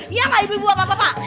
iya pak ibu ibu pak pak pak